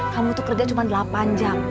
kamu tuh kerja cuma delapan jam